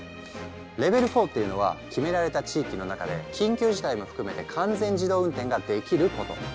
レベル４っていうのは決められた地域の中で緊急事態も含めて完全自動運転ができること。